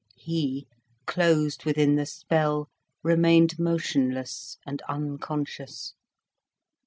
He, closed within the spell, remained motionless and unconscious.